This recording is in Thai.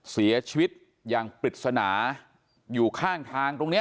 เสียชีวิตอย่างปริศนาอยู่ข้างทางตรงนี้